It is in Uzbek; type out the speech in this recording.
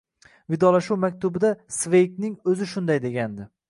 Vidolashuv maktubida Sveygning o`zi shunday degandi